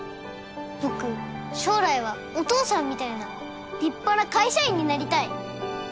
僕将来はお父さんみたいな立派な会社員になりたい。